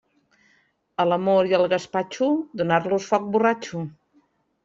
A l'amor i al gaspatxo, donar-los foc borratxo.